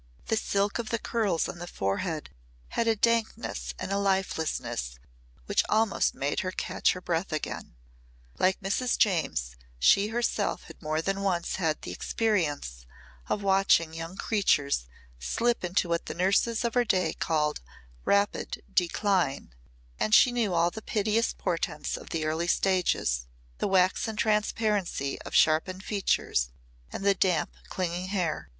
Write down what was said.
The silk of the curls on the forehead had a dankness and lifelessness which almost made her catch her breath again. Like Mrs. James she herself had more than once had the experience of watching young creatures slip into what the nurses of her day called "rapid decline" and she knew all the piteous portents of the early stages the waxen transparency of sharpened features and the damp clinging hair.